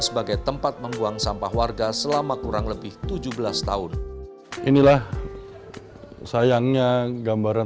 sebagai tempat membuang sampah warga selama kurang lebih tujuh belas tahun inilah sayangnya gambaran